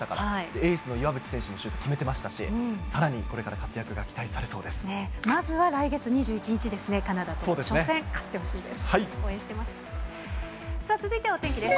エースの岩渕選手も決めてましたし、さらにこれから活躍が期待さまずは来月２１日ですね、カナダとの初戦、勝ってほしいです。